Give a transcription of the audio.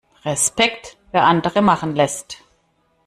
Respekt, wer andere machen lässt!